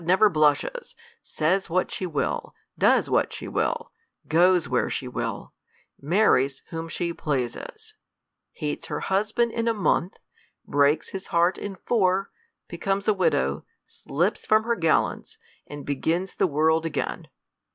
never blushes, says vrhat she will, does what she will, goes where she will, marries whom she pleases, hates her husband in a month, breaks his heart in four, be comes a widow, slips from her gallants, and begins the world again.